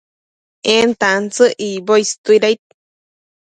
en tantsëc icboc istuidaid